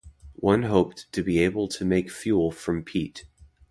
One hoped to be able to make fuel from peat.